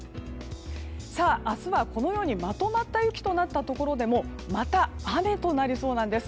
明日は、このようにまとまった雪となったところでもまた、雨となりそうなんです。